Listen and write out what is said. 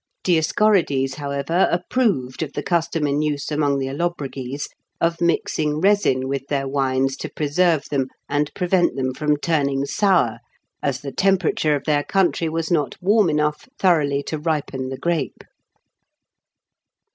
Dioscorides, however, approved of the custom in use among the Allobroges, of mixing resin with their wines to preserve them and prevent them from turning sour, as the temperature of their country was not warm enough thoroughly to ripen the grape.